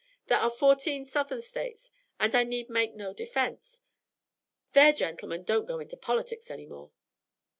There are fourteen Southern States, and I need make no defence " "Their gentlemen don't go into politics any more."